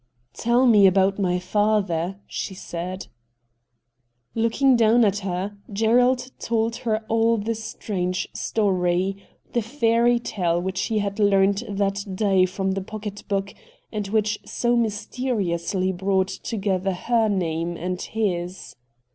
' Tell me about my father,' she said. i84 RED DIAMONDS Looking down at her, Gerald told her all the strange story, the fairy tale which he had learned that day from the pocket book, and which so mysteriously brought together her name and his.